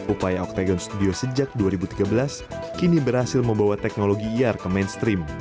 upaya octagon studio sejak dua ribu tiga belas kini berhasil membawa teknologi ir ke mainstream